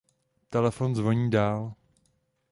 Telefon zvoní dál.